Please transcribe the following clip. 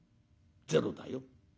ゼロだよ。